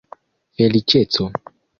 feliĉeco